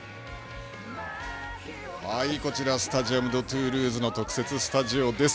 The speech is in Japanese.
はい、こちらスタジアム・ド・トゥールーズの特設スタジオです。